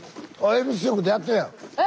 え？